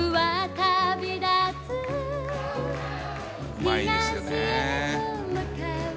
「うまいですよね」